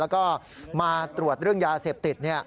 แล้วก็มาตรวจแบบยาเสพติศ